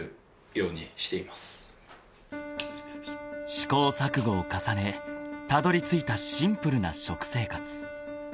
［試行錯誤を重ねたどりついたシンプルな食生活］